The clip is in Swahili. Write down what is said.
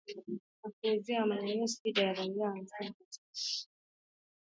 na kuzuia manyanyaso dhidi ya raia kwa msingi wa taarifa za kuaminika